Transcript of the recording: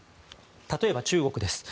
例えば、中国です。